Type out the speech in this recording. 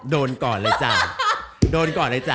ก่อนเลยจ้ะโดนก่อนเลยจ้